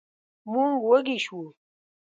موږ وږي شوو.